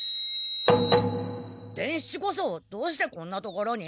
伝七こそどうしてこんなところに？